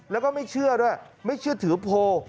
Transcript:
แล้วก็ไม่เชื่อด้วยไม่เชื่อถือโพล